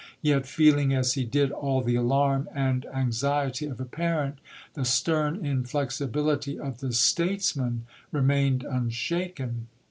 Yet, feeling as he did all the alarm and anxiety of a parent, the stern inflexibility of the statesman re mained unshaken.